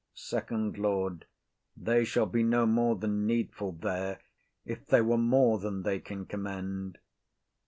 SECOND LORD. They shall be no more than needful there, if they were more than they can commend.